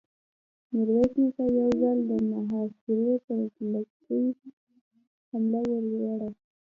ميرويس نيکه يو ځل د محاصرې پر ليکې حمله ور وړه.